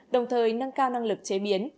đồng thời nâng cao năng lực chế biến